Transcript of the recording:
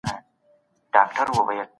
هغه ځان ډیر هوښیار ګڼي.